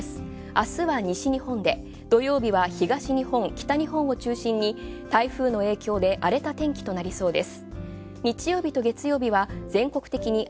明日は西日本で、土曜日は東日本北日本を中心に台風の影響で荒れた天気となりそうです。